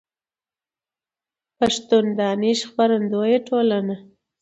. پېښور: دانش خپرندويه ټولنه